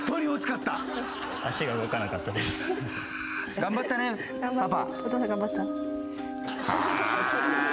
頑張ったねパパ。